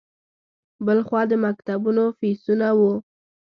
بل خوا د مکتبونو فیسونه وو.